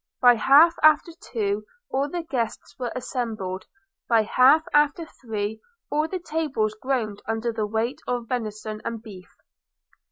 By half after two all the guests were assembled: by half after three all the tables groaned under the weight of venison and beef.